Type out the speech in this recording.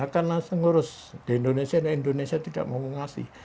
karena sengurus di indonesia dan indonesia tidak mau mengasih